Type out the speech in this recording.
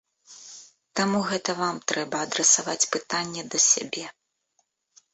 Таму гэта вам трэба адрасаваць пытанне да сябе.